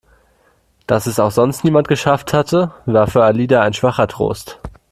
Dass es auch sonst niemand geschafft hatte, war für Alida ein schwacher Trost.